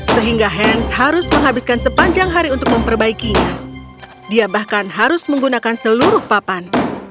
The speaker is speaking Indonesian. sehingga hans harus menghabiskan sepanjang hari untuk memperbaikinya dia bahkan harus menggunakan seluruh papan